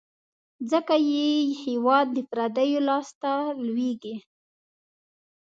ځکه یې هیواد د پردیو لاس ته لوېږي.